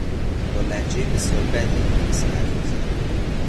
با لهجهی بسیار بدی انگلیسی حرف میزد.